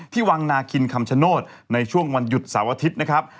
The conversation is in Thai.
วังนาคินคำชโนธในช่วงวันหยุดเสาร์อาทิตย์นะครับ